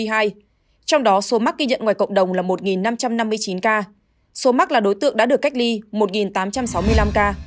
trong đó số mắc ghi nhận ngoài cộng đồng là một năm trăm năm mươi chín ca số mắc là đối tượng đã được cách ly một tám trăm sáu mươi năm ca